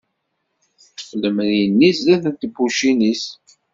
Teṭṭef lemri-nni sdat n tebbucin-is.